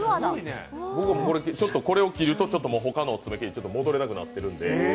僕もこれを切ると他の爪切り戻れなくなってるんで。